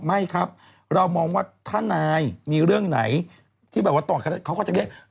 ไม่ครับเรามองว่าถ้านายมีเรื่องไหนที่แบบว่าต่อกันเขาก็จะเรียก